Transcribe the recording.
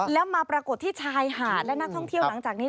แล้วมาปรากฏที่ชายหาดและนักท่องเที่ยวหลังจากนี้